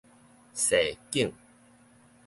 踅境